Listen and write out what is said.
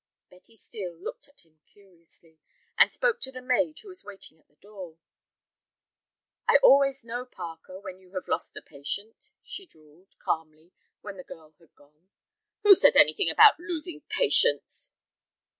Betty Steel looked at him curiously, and spoke to the maid who was waiting at the door. "I always know, Parker, when you have lost a patient," she drawled, calmly, when the girl had gone. "Who said anything about losing patients?"